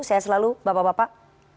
saya selalu bapak bapak